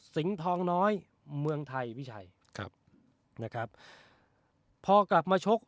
ทองน้อยเมืองไทยพี่ชัยครับนะครับพอกลับมาชก